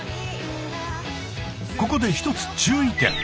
ここで１つ注意点。